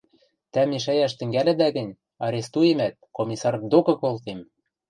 «Тӓ мешӓйӓш тӹнгӓлӹдӓ гӹнь, арестуемӓт, комиссар докы колтем!»